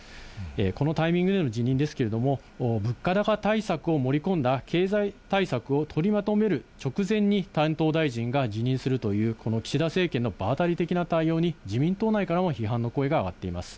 このタイミングでの辞任ですけれども、物価高対策を盛り込んだ経済対策を取りまとめる直前に、担当大臣が辞任するという、この岸田政権の場当たり的な対応に、自民党内からも批判の声が上がっています。